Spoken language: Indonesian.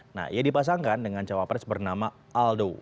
nah ia dipasangkan dengan cawapres bernama aldo